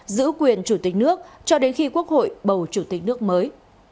giữ quyền chủ tịch nước cho đến khi quốc hội bầu chủ tịch nước mới